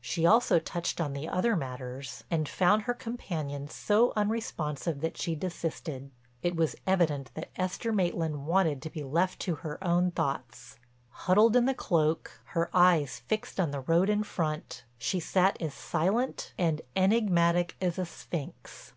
She also touched on the other matters and found her companion so unresponsive that she desisted. It was evident that Esther Maitland wanted to be left to her own thoughts. Huddled in the cloak, her eyes fixed on the road in front, she sat as silent and enigmatic as a sphinx.